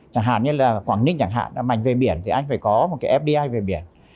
chẳng hạn như quảng ninh mạnh về biển anh phải có một fdi về biển